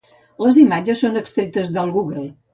Les imatges són extretes del Google.